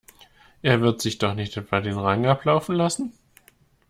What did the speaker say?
Er wird sich doch nicht etwa den Rang ablaufen lassen?